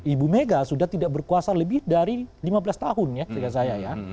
ibu mega sudah tidak berkuasa lebih dari lima belas tahun ya cerita saya ya